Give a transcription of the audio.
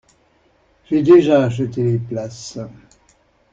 J'ai déjà acheté les places.